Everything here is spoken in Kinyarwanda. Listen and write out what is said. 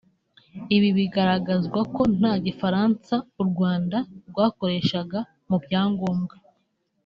Ibi bigaragazwa ko nta Gifaransa u Rwanda rwakoreshaga mu byangombwa